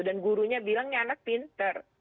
dan gurunya bilangnya anak pinter